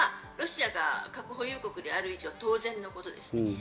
ロシアが核保有国である以上、当然のことです。